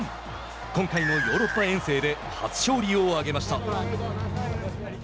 今回のヨーロッパ遠征で初勝利を挙げました。